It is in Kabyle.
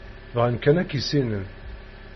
Bɣan kan ad k-issinen.